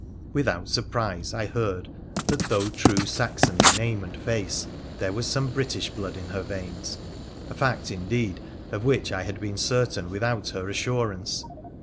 Without surprise I heard that though true Saxon in name and face there was some British blood in her veins — a fact, in deed, of which I had been certain without her assurance.